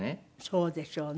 そうでしょうね。